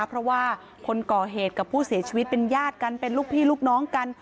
เพราะว่าคนก่อเหตุกับผู้เสียชีวิตเป็นญาติกันเป็นลูกพี่ลูกน้องกัน